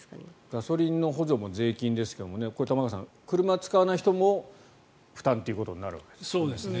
ガソリンの補助金も税金ですが玉川さん、車を使わない人も負担ということになるわけですね。